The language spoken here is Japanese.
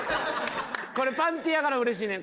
これパンティやからうれしいねん。